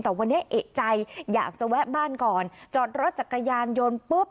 แต่วันนี้เอกใจอยากจะแวะบ้านก่อนจอดรถจักรยานยนต์ปุ๊บ